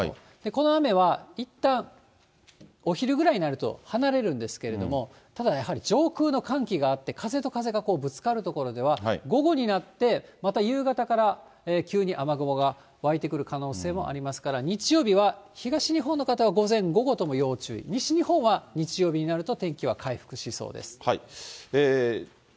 この雨はいったんお昼ぐらいになると離れるんですけれども、ただやはり上空の寒気があって、風と風がぶつかる所には、午後になってまた夕方から急に雨雲が湧いてくる可能性もありますから、日曜日は、東日本の方は午前、午後とも要注意、西日本は日曜日になると天気は回復しそうです。